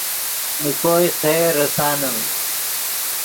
نے کوئے خیر ریسانے